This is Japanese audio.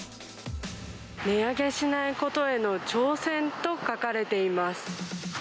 値上げしないことへの挑戦と書かれています。